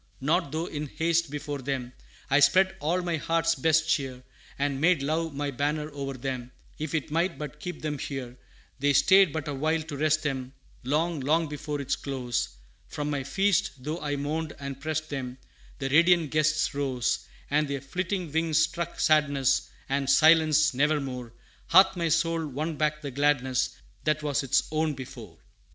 not though in haste before them I spread all my heart's best cheer, And made love my banner o'er them, If it might but keep them here; They stayed but a while to rest them; Long, long before its close, From my feast, though I mourned and prest them The radiant guests arose; And their flitting wings struck sadness And silence; never more Hath my soul won back the gladness, That was its own before.